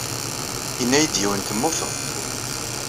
Yenna-iyi-d yiwen temmuted.